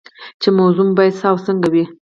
چې موضوع مو باید څه او څنګه وي.